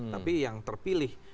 tapi yang terpilih